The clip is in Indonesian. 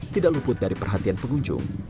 tidak luput dari perhatian pengunjung